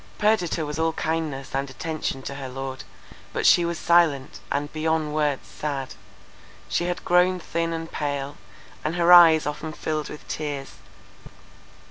Perdita was all kindness and attention to her lord; but she was silent, and beyond words sad. She had grown thin and pale; and her eyes often filled with tears.